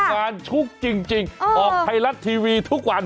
ชุกจริงออกไทยรัฐทีวีทุกวัน